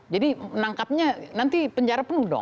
menangkapnya nanti penjara penuh dong